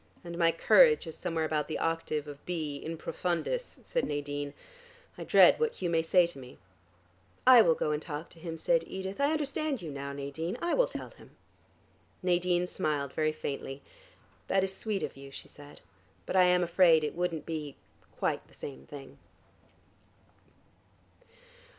"And my courage is somewhere about the octave of B. in profundis," said Nadine. "I dread what Hugh may say to me." "I will go and talk to him," said Edith. "I understand you now, Nadine. I will tell him." Nadine smiled very faintly. "That is sweet of you," she said, "but I am afraid it wouldn't be quite the same thing."